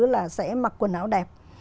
là sẽ mặc quần áo đẹp